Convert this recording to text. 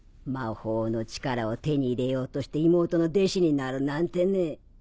魔法の力を手に入れようとして妹の弟子になるなんてね。